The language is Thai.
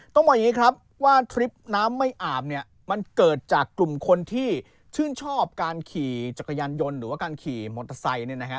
ต้องบอกอย่างนี้ครับว่าทริปน้ำไม่อาบเนี่ยมันเกิดจากกลุ่มคนที่ชื่นชอบการขี่จักรยานยนต์หรือว่าการขี่มอเตอร์ไซค์เนี่ยนะฮะ